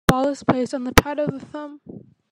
The ball is placed on the pad of the thumb.